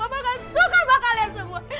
mama tidak suka sama kalian semua